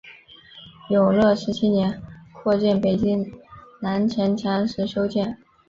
永乐十七年扩建北京南城墙时修建。